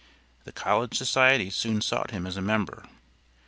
The college societies soon sought him as a member.